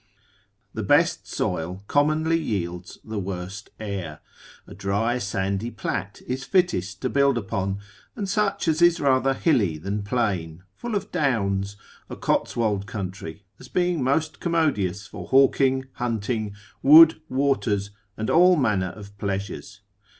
The best soil commonly yields the worst air, a dry sandy plat is fittest to build upon, and such as is rather hilly than plain, full of downs, a Cotswold country, as being most commodious for hawking, hunting, wood, waters, and all manner of pleasures.